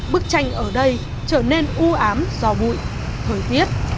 bức tranh ở đây trở nên ưu ám do bụi thời tiết